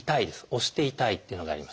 押して痛いっていうのがあります。